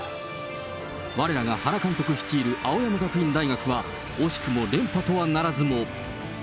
われらが原監督が率いる青山学院大学は、惜しくも連覇とはならずも。